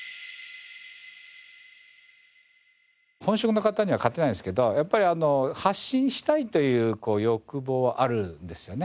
本職の方には勝てないですけどやっぱり発信したいという欲望はあるんですよね。